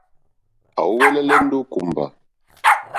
À úwɛ́lɛ́lɛ́ ndó kùmbà.